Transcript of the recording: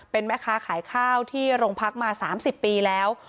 เป็นแม่ค้าขายข้าวที่โรงพักมา๓๐ปีแล้ว